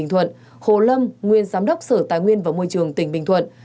thuận hồ lâm nguyên giám đốc sở tài nguyên và môi trường tỉnh bình thuận